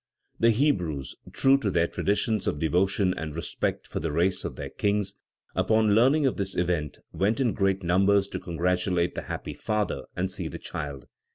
The Hebrews, true to their traditions of devotion and respect for the race of their kings, upon learning of this event went in great numbers to congratulate the happy father and see the child.